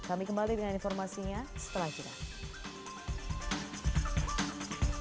kami kembali dengan informasinya setelah jeda